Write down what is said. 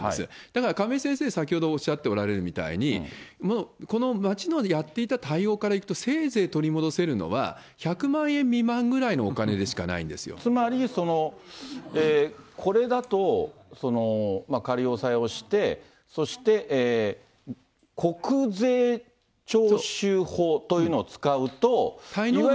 だから亀井先生、先ほどおっしゃっておられるみたいに、この町のやっていた対応からいくと、せいぜい取り戻せるのは１００万円未満ぐらいのお金でしかないんつまり、これだと、仮押さえをして、そして国税徴収法というのを使うと。